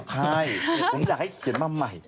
ใช่ผมอยากให้เขียนมาใหม่